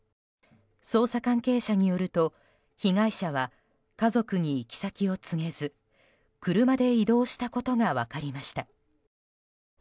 捜査関係者によると被害者は家族に行き先を告げず車で移動したことが分かりました。